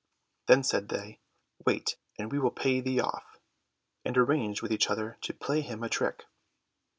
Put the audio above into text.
Then said they, "Wait, and we will pay thee off!" and arranged with each other to play him a trick.